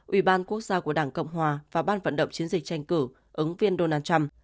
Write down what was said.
ủy ban quốc gia của đảng cộng hòa và ban vận động chiến dịch tranh cử ứng viên donald trump